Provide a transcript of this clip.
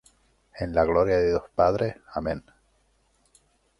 en la gloria de Dios Padre. Amén.